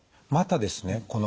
またですね